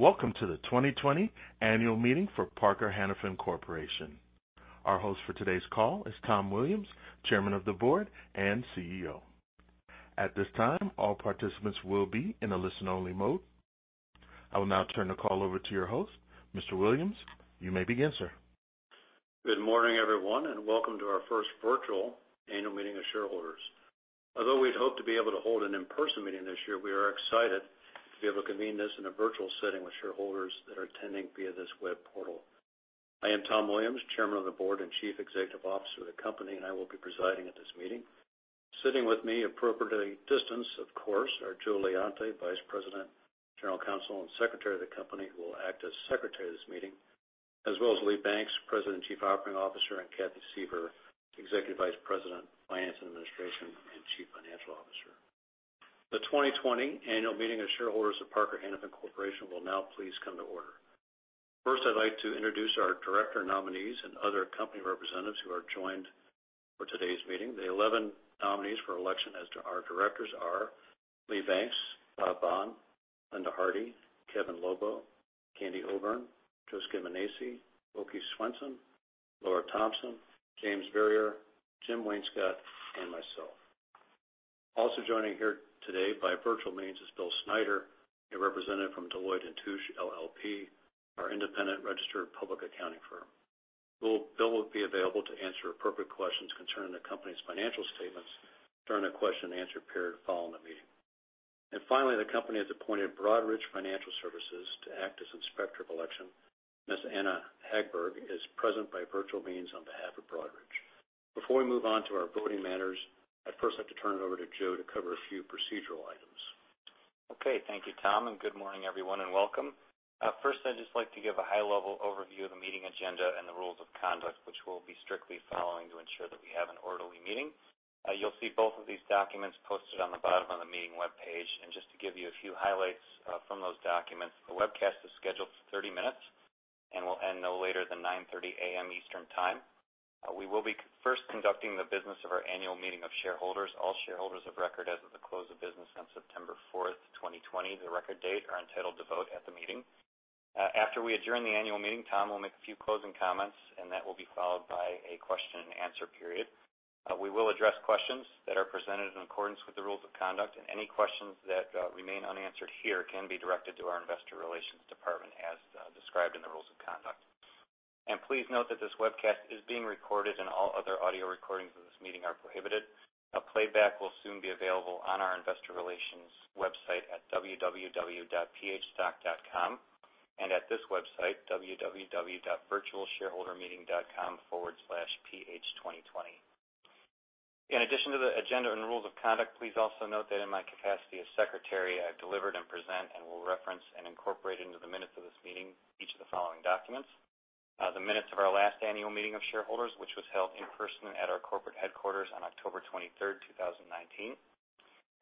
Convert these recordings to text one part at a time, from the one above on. Welcome to the 2020 Annual Meeting for Parker Hannifin Corporation. Our host for today's call is Tom Williams, Chairman of the Board and CEO. At this time, all participants will be in a listen-only mode. I will now turn the call over to your host. Mr. Williams, you may begin, sir. Good morning, everyone, and welcome to our first virtual annual meeting of shareholders. Although we'd hoped to be able to hold an in-person meeting this year, we are excited to be able to convene this in a virtual setting with shareholders that are attending via this web portal. I am Tom Williams, Chairman of the Board and Chief Executive Officer of the company, and I will be presiding at this meeting. Sitting with me, appropriate distance, of course, are Joseph Leonti, Vice President, General Counsel and Secretary of the company, who will act as Secretary of this meeting, as well as Lee Banks, President and Chief Operating Officer, and Cathy Suever, Executive Vice President - Finance and Administration and Chief Financial Officer. The 2020 annual meeting of shareholders of Parker Hannifin Corporation will now please come to order. First, I'd like to introduce our director nominees and other company representatives who are joined for today's meeting. The 11 nominees for election as to our directors are Lee Banks, Bob Bohn, Linda Harty, Kevin Lobo, Candy Obourn, Joseph Scaminace, Åke Svensson, Laura Thompson, James Verrier, James Wainscott, and myself. Also joining here today by virtual means is Bill Snyder, a representative from Deloitte & Touche LLP, our independent registered public accounting firm. Bill will be available to answer appropriate questions concerning the company's financial statements during the question and answer period following the meeting. Finally, the company has appointed Broadridge Financial Services to act as inspector of election. Ms. Anna Hagberg is present by virtual means on behalf of Broadridge. Before we move on to our voting matters, I'd first like to turn it over to Joe to cover a few procedural items. Thank you, Tom. Good morning, everyone, and welcome. First, I'd just like to give a high-level overview of the meeting agenda and the rules of conduct, which we'll be strictly following to ensure that we have an orderly meeting. You'll see both of these documents posted on the bottom of the meeting webpage. Just to give you a few highlights from those documents, the webcast is scheduled for 30 minutes and will end no later than 9:30 A.M. Eastern Time. We will be first conducting the business of our annual meeting of shareholders. All shareholders of record as of the close of business on September 4th, 2020, the record date, are entitled to vote at the meeting. After we adjourn the annual meeting, Tom will make a few closing comments. That will be followed by a question and answer period. We will address questions that are presented in accordance with the rules of conduct, and any questions that remain unanswered here can be directed to our investor relations department as described in the rules of conduct. Please note that this webcast is being recorded and all other audio recordings of this meeting are prohibited. A playback will soon be available on our investor relations website at www.phstock.com and at this website, www.virtualshareholdermeeting.com/ph2020. In addition to the agenda and rules of conduct, please also note that in my capacity as secretary, I delivered and present and will reference and incorporate into the minutes of this meeting each of the following documents: the minutes of our last annual meeting of shareholders, which was held in person at our corporate headquarters on October 23rd, 2019,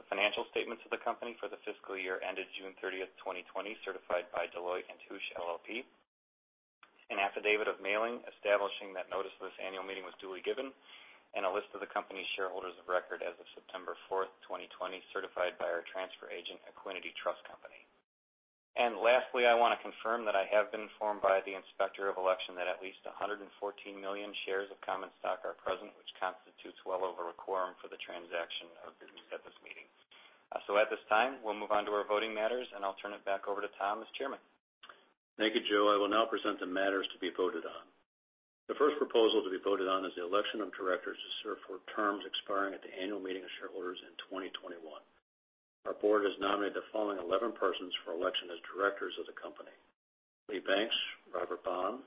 the financial statements of the company for the fiscal year ended June 30th, 2020, certified by Deloitte & Touche LLP, an affidavit of mailing establishing that notice of this annual meeting was duly given, and a list of the company's shareholders of record as of September 4th, 2020, certified by our transfer agent, Equiniti Trust Company. Lastly, I want to confirm that I have been informed by the inspector of election that at least 114 million shares of common stock are present, which constitutes well over a quorum for the transaction of business at this meeting. At this time, we'll move on to our voting matters, and I'll turn it back over to Tom as chairman. Thank you, Joe. I will now present the matters to be voted on. The first proposal to be voted on is the election of directors to serve for terms expiring at the annual meeting of shareholders in 2021. Our board has nominated the following 11 persons for election as directors of the company: Lee Banks, Robert Bohn,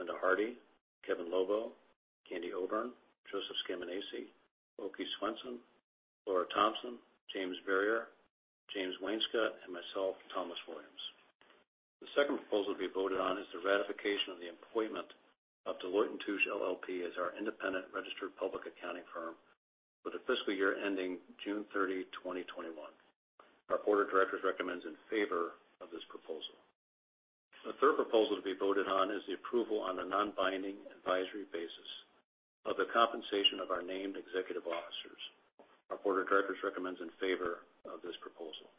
Linda Harty, Kevin Lobo, Candy Obourn, Joseph Scaminace, Åke Svensson, Laura Thompson, James Verrier, James Wainscott, and myself, Thomas Williams. The second proposal to be voted on is the ratification of the appointment of Deloitte & Touche LLP as our independent registered public accounting firm for the fiscal year ending June 30, 2021. Our board of directors recommends in favor of this proposal. The third proposal to be voted on is the approval on a non-binding advisory basis of the compensation of our named executive officers. Our board of directors recommends in favor of this proposal.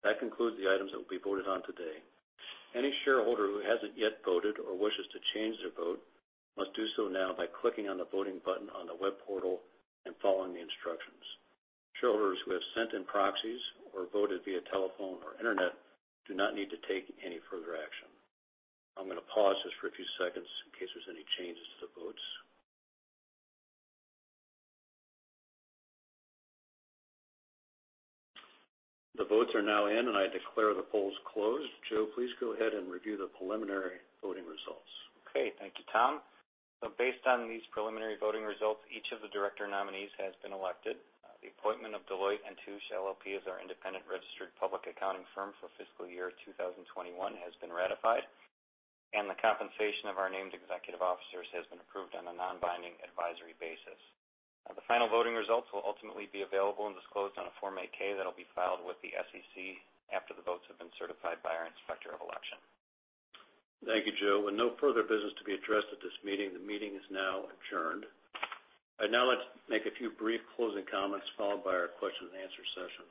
That concludes the items that will be voted on today. Any shareholder who hasn't yet voted or wishes to change their vote must do so now by clicking on the voting button on the web portal and following the instructions. Shareholders who have sent in proxies or voted via telephone or internet do not need to take any further action. I'm gonna pause just for a few seconds in case there's any changes to the votes. The votes are now in, and I declare the polls closed. Joe, please go ahead and review the preliminary voting results. Okay. Thank you, Tom. Based on these preliminary voting results, each of the director nominees has been elected. The appointment of Deloitte & Touche LLP as our independent registered public accounting firm for fiscal year 2021 has been ratified. The compensation of our named executive officers has been approved on a non-binding advisory basis. The final voting results will ultimately be available and disclosed on a Form 8-K that'll be filed with the SEC after the votes have been certified by our inspector of elections. Thank you, Joe. With no further business to be addressed at this meeting, the meeting is now adjourned. Let's make a few brief closing comments, followed by our question and answer session.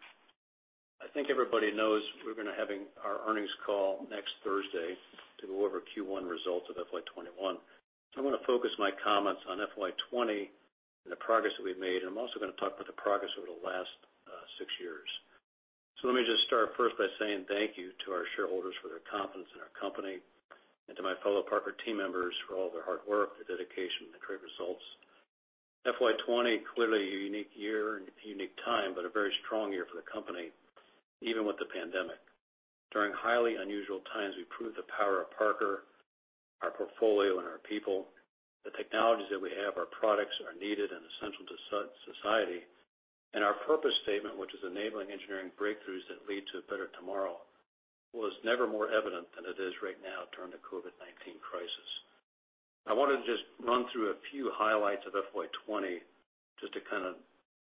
I think everybody knows we're going to be having our earnings call next Thursday to go over Q1 results of FY 2021. I'm going to focus my comments on FY 2020 and the progress that we've made, and I'm also going to talk about the progress over the last six years. Let me just start first by saying thank you to our shareholders for their confidence in our company, and to my fellow Parker team members for all their hard work, their dedication, and the great results. FY 2020, clearly a unique year and a unique time, but a very strong year for the company, even with the pandemic. During highly unusual times, we proved the power of Parker, our portfolio, and our people. The technologies that we have, our products are needed and essential to society. Our purpose statement, which is enabling engineering breakthroughs that lead to a better tomorrow, was never more evident than it is right now during the COVID-19 crisis. I wanted to just run through a few highlights of FY 2020 just to kind of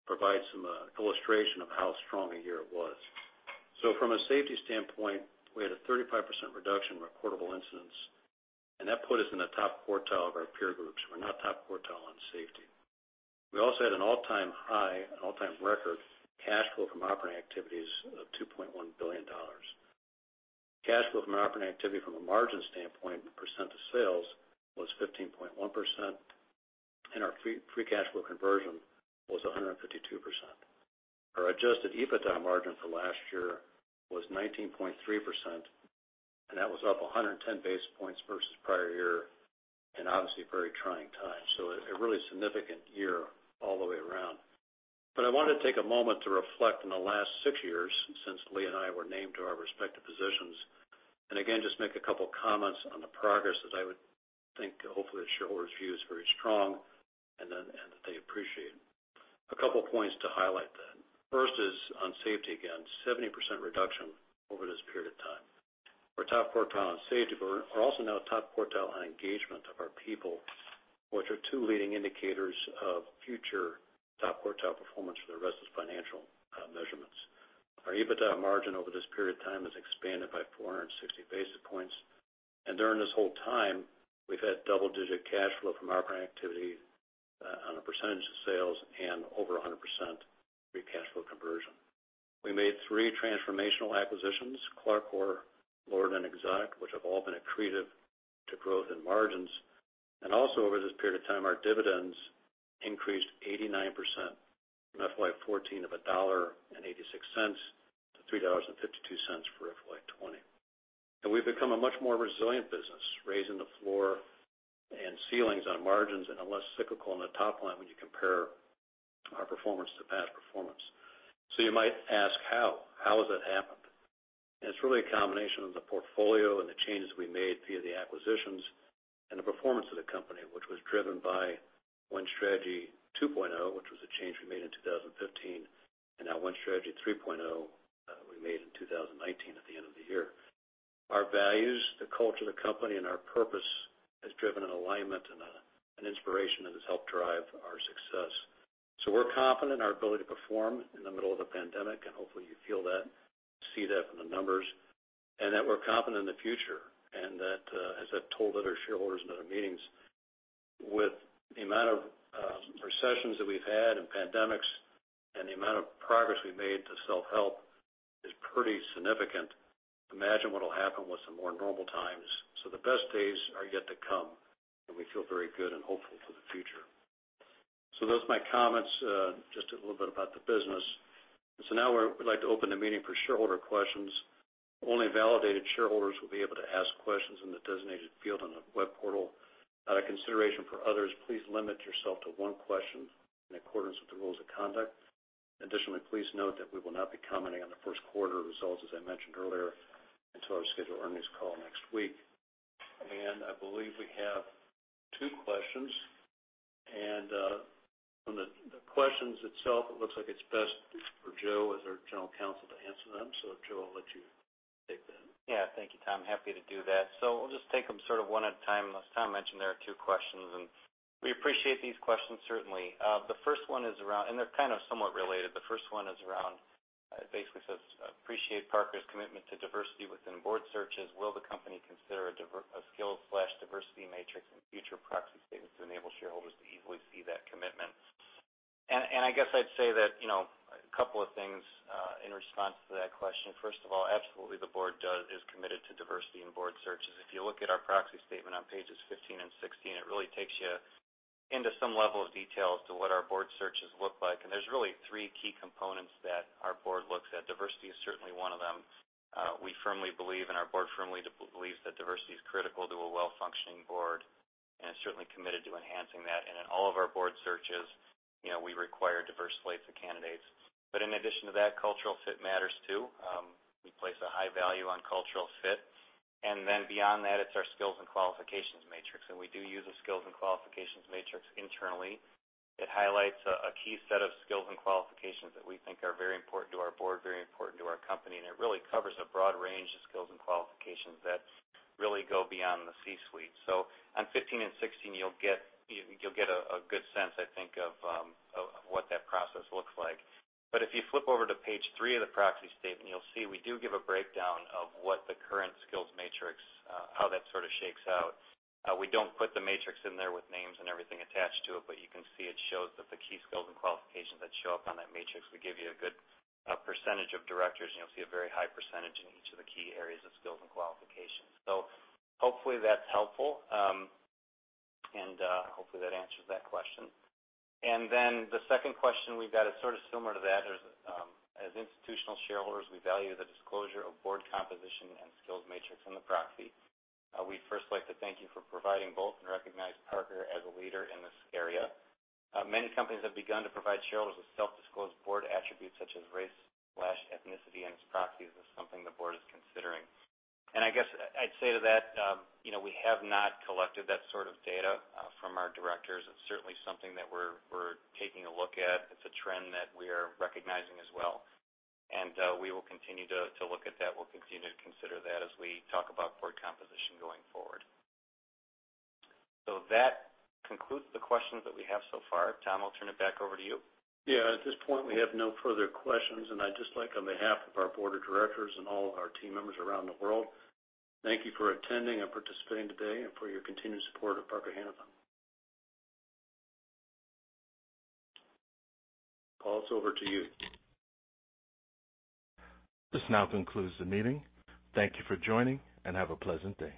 provide some illustration of how strong a year it was. From a safety standpoint, we had a 35% reduction in recordable incidents, and that put us in the top quartile of our peer groups. We're now top quartile on safety. We also had an all-time high, an all-time record, cash flow from operating activities of $2.1 billion. Cash flow from operating activity from a margin standpoint, percent of sales, was 15.1%, and our free cash flow conversion was 152%. Our adjusted EBITDA margin for last year was 19.3%, that was up 110 basis points versus prior year, in obviously a very trying time. A really significant year all the way around. I want to take a moment to reflect on the last six years since Lee and I were named to our respective positions, and again, just make a couple comments on the progress that I would think, hopefully, the shareholders view as very strong and that they appreciate. A couple points to highlight that. First is on safety again, 70% reduction over this period of time. We're top quartile on safety, but we're also now top quartile on engagement of our people, which are two leading indicators of future top quartile performance for the rest of those financial measurements. Our EBITDA margin over this period of time has expanded by 460 basis points. During this whole time, we've had double-digit cash flow from operating activity on a percentage of sales and over 100% free cash flow conversion. We made three transformational acquisitions, CLARCOR, LORD and Exotic, which have all been accretive to growth and margins. Also over this period of time, our dividends increased 89% from FY 2014 of $1.86 to $3.52 for FY 2020. We've become a much more resilient business, raising the floor and ceilings on margins and are less cyclical on the top line when you compare our performance to past performance. You might ask how. How has that happened? It's really a combination of the portfolio and the changes we made via the acquisitions and the performance of the company, which was driven by Win Strategy 2.0, which was a change we made in 2015, and now Win Strategy 3.0 we made in 2019 at the end of the year. Our values, the culture of the company, and our purpose has driven an alignment and an inspiration that has helped drive our success. We're confident in our ability to perform in the middle of the pandemic, and hopefully you feel that, see that from the numbers, and that we're confident in the future. That, as I've told other shareholders in other meetings, with the amount of recessions that we've had and pandemics and the amount of progress we've made to self-help is pretty significant. Imagine what'll happen with some more normal times. The best days are yet to come, and we feel very good and hopeful for the future. Those are my comments, just a little bit about the business. Now we'd like to open the meeting for shareholder questions. Only validated shareholders will be able to ask questions in the designated field on the web portal. Out of consideration for others, please limit yourself to one question in accordance with the rules of conduct. Additionally, please note that we will not be commenting on the first quarter results, as I mentioned earlier, until our scheduled earnings call next week. I believe we have two questions. From the questions itself, it looks like it's best for Joe as our general counsel to answer them. Joe, I'll let you take that. Thank you, Tom. Happy to do that. We'll just take them sort of one at a time. As Tom mentioned, there are two questions. We appreciate these questions certainly. They're kind of somewhat related. The first one is around, it basically says, appreciate Parker Hannifin's commitment to diversity within board searches. Will the company consider a skills/diversity matrix in future proxy statements to enable shareholders to easily see that commitment? I guess I'd say that a couple of things in response to that question. First of all, absolutely the board is committed to diversity in board searches. If you look at our proxy statement on pages 15 and 16, it really takes you into some level of detail as to what our board searches look like. There's really three key components that our board looks at. Diversity is certainly one of them. We firmly believe and our board firmly believes that diversity is critical to a well-functioning board and is certainly committed to enhancing that. In all of our board searches, we require diverse slates of candidates. In addition to that, cultural fit matters, too. We place a high value on cultural fit. Beyond that, it's our skills and qualifications matrix, and we do use a skills and qualifications matrix internally. It highlights a key set of skills and qualifications that we think are very important to our board, very important to our company, and it really covers a broad range of skills and qualifications that really go beyond the C-suite. On 15 and 16, you'll get a good sense, I think, of what that process looks like. If you flip over to page three of the proxy statement, you'll see we do give a breakdown of what the current skills matrix, how that sort of shakes out. We don't put the matrix in there with names and everything attached to it, but you can see it shows that the key skills and qualifications that show up on that matrix, we give you a good percentage of directors, and you'll see a very high percentage in each of the key areas of skills and qualifications. Hopefully that's helpful, and hopefully that answers that question. Then the second question we've got is sort of similar to that. As institutional shareholders, we value the disclosure of board composition and skills matrix in the proxy. We'd first like to thank you for providing both and recognize Parker as a leader in this area. Many companies have begun to provide shareholders with self-disclosed board attributes such as race/ethnicity in its proxies. Is this something the board is considering? I guess I'd say to that, we have not collected that sort of data from our directors. It's certainly something that we're taking a look at. It's a trend that we are recognizing as well, and we will continue to look at that. We'll continue to consider that as we talk about board composition going forward. That concludes the questions that we have so far. Tom, I'll turn it back over to you. At this point, we have no further questions, and I'd just like, on behalf of our board of directors and all of our team members around the world, thank you for attending and participating today and for your continued support of Parker Hannifin. Operator, it's over to you. This now concludes the meeting. Thank you for joining, and have a pleasant day.